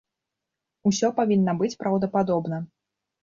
Усё павінна быць праўдападобна.